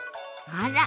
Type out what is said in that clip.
あら。